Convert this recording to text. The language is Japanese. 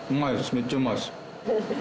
めっちゃうまいです。